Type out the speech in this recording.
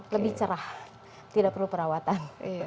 lebih cerah tidak perlu perawatan